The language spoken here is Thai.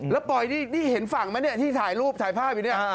แล้วโปยพี่เห็นฝั่งไหมที่ถ่ายรูปถ่ายภาพอยู่นี่